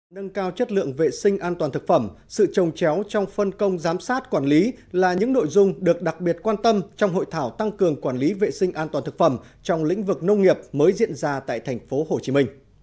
nâng cao chất lượng vệ sinh an toàn thực phẩm sự trồng chéo trong phân công giám sát quản lý là những nội dung được đặc biệt quan tâm trong hội thảo tăng cường quản lý vệ sinh an toàn thực phẩm trong lĩnh vực nông nghiệp mới diễn ra tại tp hcm